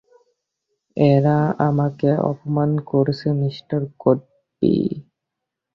এরা আমাকে অপমান করেছে মিঃ গডবি।